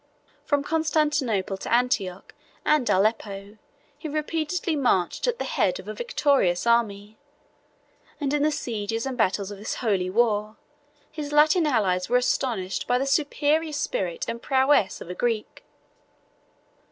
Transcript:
From Constantinople to Antioch and Aleppo, he repeatedly marched at the head of a victorious army, and in the sieges and battles of this holy war, his Latin allies were astonished by the superior spirit and prowess of a Greek.